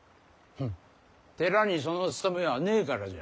フッ寺にその務めはねえからじゃ。